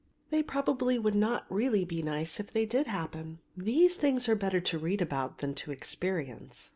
"They probably would not really be nice if they did happen. These things are better to read about than to experience."